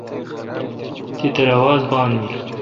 تترہ آواز بان بیل۔